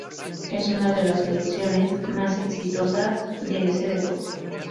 Es una de las selecciones más exitosas de ese deporte.